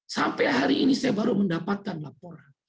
sampai hari ini saya baru mendapatkan laporan